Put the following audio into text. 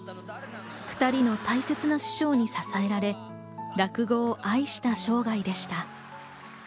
２人の大切な師匠に支えられ、落語を愛した生涯でした。